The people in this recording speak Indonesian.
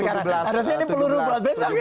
sudah begitu juga sekarang